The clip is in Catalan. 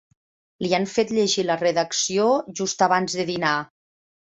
Li han fet llegir la redacció just abans de dinar.